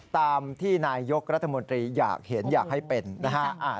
ตามที่นายยกรัฐมนตรีอยากเห็นอยากให้เป็นนะฮะ